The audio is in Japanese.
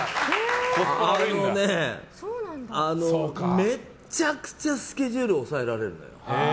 めちゃくちゃスケジュール押さえられるのよ。